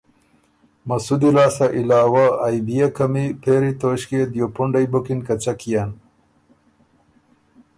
مسُودی لاسته علاوۀ ائ بيې قمی پېری توݭکيې دیوپُنډئ بُکِن که څۀ کيېن،